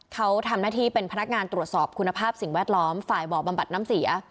เขาทำหน้าที่เป็นพนักงานตรวจสอบคุณภาพสิ่งแวดล้อมฝ่ายบ่อบำบัดน้ำเสีย